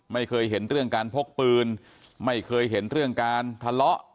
ไม่เคยเห็นเรื่องการพกปืนไม่เคยเห็นเรื่องการทะเลาะ